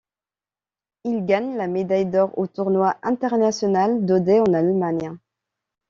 Il gagne la médaille d’or au tournoi international d’Oder en Allemagne.